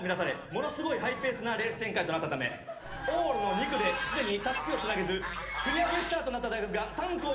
ものすごいハイペースなレース展開となったため往路の２区ですでにたすきをつなげず繰り上げスタートとなった大学が３校も出てきてしまいました。